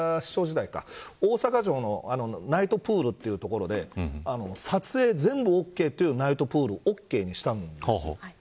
僕も大阪市長時代か大阪城のナイトプールで撮影全部ＯＫというナイトプールを形にしたんです。